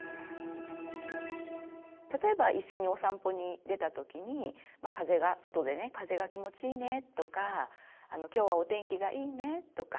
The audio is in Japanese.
例えば一緒にお散歩に出た時に外でね「風が気持ちいいね」とか「今日はお天気がいいね」とか。